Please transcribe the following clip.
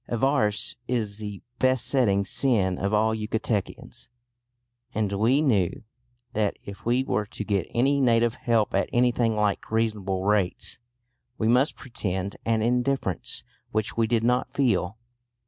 Avarice is the besetting sin of all Yucatecans, and we knew that if we were to get any native help at anything like reasonable rates we must pretend an indifference which we did not feel.